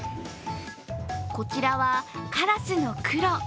こちらはカラスのクロ。